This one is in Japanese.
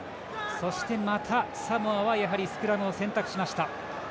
そして、またサモアはやはりスクラムを選択しました。